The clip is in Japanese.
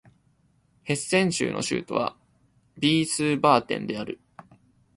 ヘッセン州の州都はヴィースバーデンである